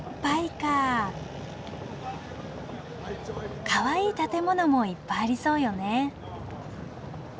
かわいい建物もいっぱいありそうよね。